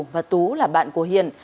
và tú là bạn của hiền